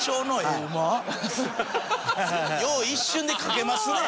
よう一瞬で描けますね。